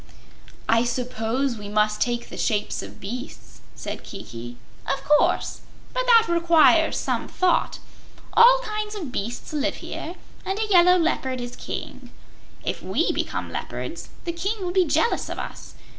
"I suppose we must take the shapes of beasts?" said Kiki. "Of course. But that requires some thought. All kinds of beasts live here, and a yellow leopard is King. If we become leopards, the King will be jealous of us.